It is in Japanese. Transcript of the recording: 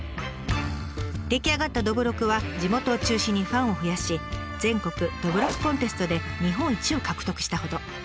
出来上がったどぶろくは地元を中心にファンを増やし全国どぶろくコンテストで日本一を獲得したほど。